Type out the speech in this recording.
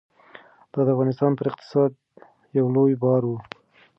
دا د افغانستان پر اقتصاد یو لوی بار و.